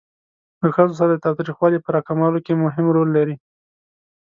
له ښځو سره د تاوتریخوالي په را کمولو کې مهم رول لري.